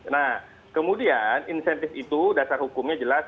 nah kemudian insentif itu dasar hukumnya jelas